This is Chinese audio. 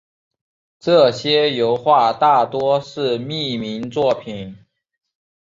这些油画大多是匿名作品。